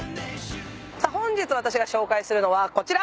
さあ本日私が紹介するのはこちら。